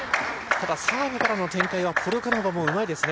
ただ、サーブからの展開はポルカノバもうまいですね。